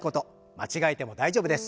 間違えても大丈夫です。